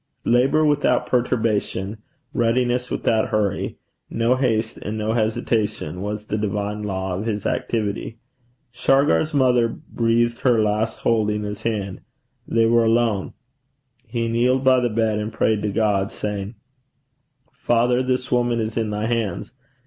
Labour without perturbation, readiness without hurry, no haste, and no hesitation, was the divine law of his activity. Shargar's mother breathed her last holding his hand. They were alone. He kneeled by the bed, and prayed to God, saying, 'Father, this woman is in thy hands.